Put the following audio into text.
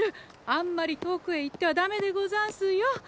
あんまり遠くへ行ってはダメでござんすよ。